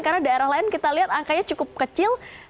karena daerah lain kita lihat angkanya cukup kecil